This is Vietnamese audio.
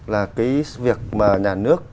là cái việc mà nhà nước